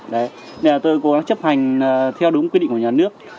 nên là tôi cố gắng chấp hành theo đúng quy định của nhà nước